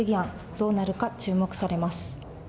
どうなるか注目されます。